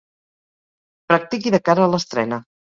Practiqui de cara a l'estrena.